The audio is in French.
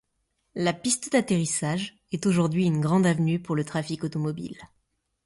La piste d'atterrissage est aujourd'hui une grande avenue pour le trafic automobile.